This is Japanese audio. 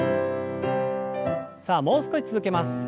さあもう少し続けます。